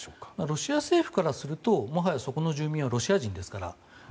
ロシア政府からするともはやそこの住民はロシア人ですから。